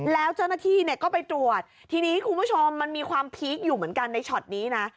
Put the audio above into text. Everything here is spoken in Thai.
แล้วเจ้าหน้าที่เนี่ยก็ไปตรวจทีนี้คุณผู้ชมมันมีความพีคอยู่เหมือนกันในช็อตนี้นะ